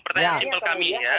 pertanyaan simpel kami ya